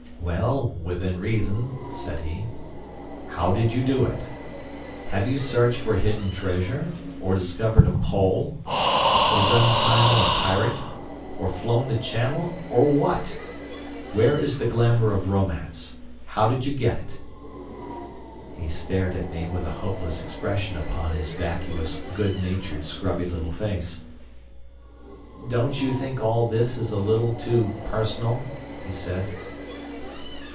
"Well, within reason," said he. "How did you do it? Have you searched for hidden treasure, or discovered a pole, or done time on a pirate, or flown the Channel, or what? Where is the glamour of romance? How did you get it?" He stared at me with a hopeless expression upon his vacuous, good natured, scrubby little face. "Don't you think all this is a little too personal?" he said.